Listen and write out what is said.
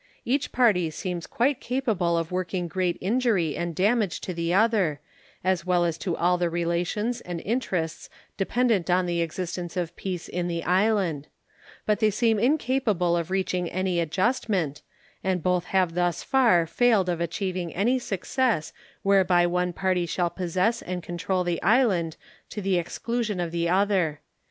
Each party seems quite capable of working great injury and damage to the other, as well as to all the relations and interests dependent on the existence of peace in the island; but they seem incapable of reaching any adjustment, and both have thus far failed of achieving any success whereby one party shall possess and control the island to the exclusion of the other.